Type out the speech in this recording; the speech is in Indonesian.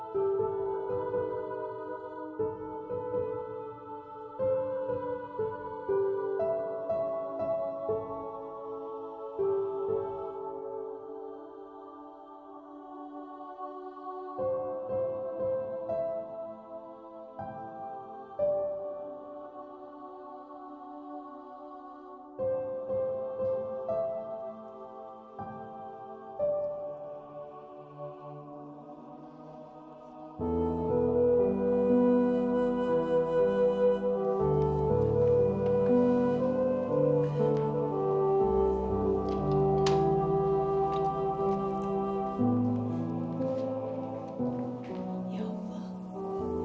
terima kasih bu